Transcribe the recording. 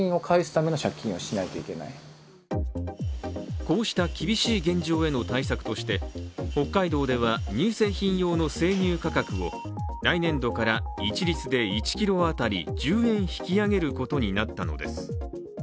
こうした厳しい現状への対策として北海道では乳製品用の生乳価格を来年度から一律で１ｋｇ当たり１０円引き上げることになったのです。